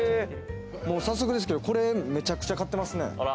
早速ですけれど、これめちゃくちゃ買ってますね。